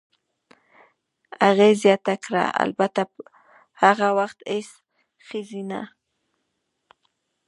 هغې زیاته کړه: "البته، هغه وخت هېڅ ښځینه.